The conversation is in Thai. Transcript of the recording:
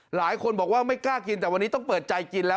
หลายคนบอกว่าไม่กล้ากินแต่วันนี้ต้องเปิดใจกินแล้ว